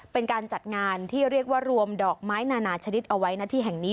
เป็นการจัดงานที่เรียกว่ารวมดอกไม้นานาชนิดเอาไว้หน้าที่แห่งนี้